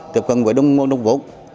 tiếp cận với đồng vốn